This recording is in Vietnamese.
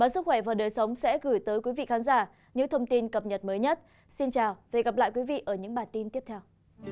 xin chào và hẹn gặp lại các bạn trong các bản tin tiếp theo